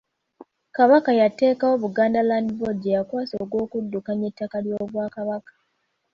Kabaka yateekawo Buganda Land Board gye yakwasa ogw'okuddukanya ettaka ly’Obwakabaka.